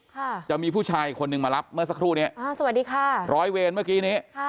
ค่ะจะมีผู้ชายอีกคนนึงมารับเมื่อสักครู่เนี้ยอ่าสวัสดีค่ะร้อยเวรเมื่อกี้นี้ค่ะ